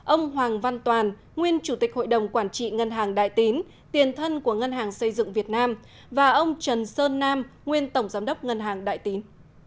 ông hoàng văn toàn nguyên chủ tịch hội đồng quản trị ngân hàng đại tín tiền thân của ngân hàng xây dựng việt nam và ông trần sơn nam nguyên tổng giám đốc ngân hàng đại tín